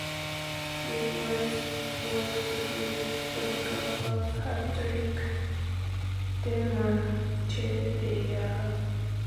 Kirk has worked with photographer Patrick Demarchelier.